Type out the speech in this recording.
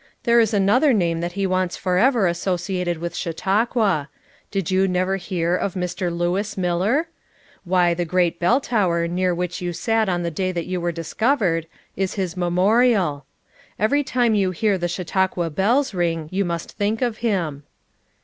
"There is another name that lie wants forever associated with Chautauqua. Did you never hear of Mr. Lewis Miller? Why, the great bell tower near which you sat on the day that you were discovered, is his memorial. 395 39G FOUlt MOTHERS AT CHAUTAUQUA Every linio you hear the Chautauqua bells ring you must think of hhn."